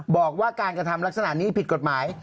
บอกว่าการกระทำลักษณะนี้ผิดกฎหมาย